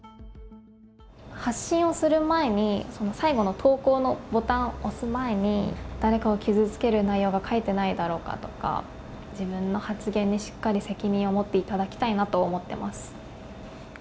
発信をする前に、最後の投稿のボタンを押す前に、誰かを傷つける内容を書いてないだろうかとか、自分の発言にしっかり責任を持っていただきたいなと思っています。